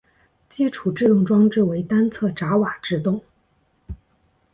基础制动装置为单侧闸瓦制动。